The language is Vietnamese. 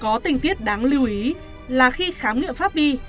có tình tiết đáng lưu ý là khi khám nghiệm pháp đi